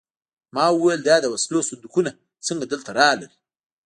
ما وویل دا د وسلو صندوقونه څنګه دلته راغلل